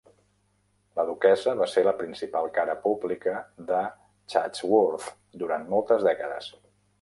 La duquessa va ser la principal cara pública de Chatsworth durant moltes dècades.